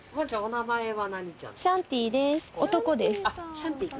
シャンティ君。